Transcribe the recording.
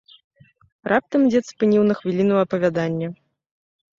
Раптам дзед спыніў на хвіліну апавяданне.